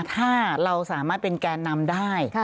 ถ้าเราสามารถเป็นแกนนำได้